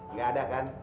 nggak ada kan